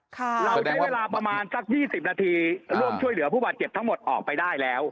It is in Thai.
เราใช้เวลาประมาณสัก๒๐นาทีร่วมช่วยเหลือผู้บาดเจ็บทั้งหมดออกไปได้แล้ว